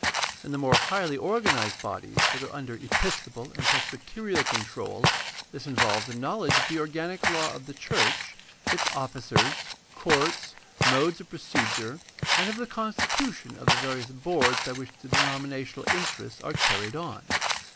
In the more highly organized bodies that are under episcopal and presbyterial control this involves a knowledge of the organic law of the church, its officers, courts, modes of procedure, and of the constitution of the various boards by which the denominational interests are carried on.